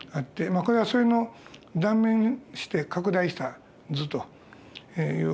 まあこれはそれの断面して拡大した図という感じですね。